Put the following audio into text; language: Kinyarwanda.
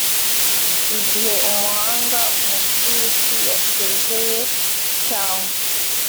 igihe umuhanga mu by imiti yasezeye cyangwa